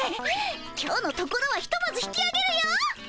今日のところはひとまず引きあげるよ。